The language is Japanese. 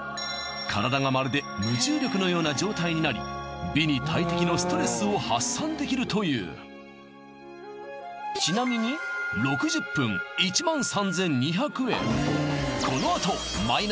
体がまるで無重力のような状態になり美に大敵のストレスを発散できるというちなみに６０分１万３２００円